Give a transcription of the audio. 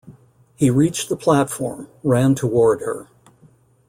He reached the platform, ran toward her.